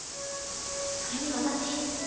それに私